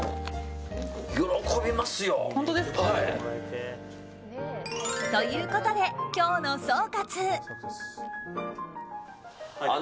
喜びますよ。ということで、今日の総括！